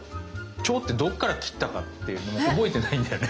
蝶ってどっから切ったかっていうのも覚えてないんだよね。